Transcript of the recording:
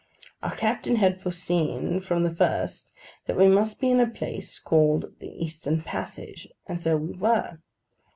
Our captain had foreseen from the first that we must be in a place called the Eastern passage; and so we were.